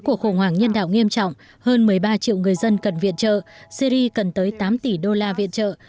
cuộc khủng hoảng nhân đạo nghiêm trọng hơn một mươi ba triệu người dân cần viện trợ syri cần tới tám tỷ đô la viện trợ